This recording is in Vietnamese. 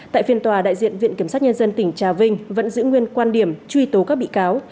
tại phiên tòa đại diện viện kiểm sát nhân dân tỉnh trà vinh vẫn giữ nguyên quan điểm truy tố các bị cáo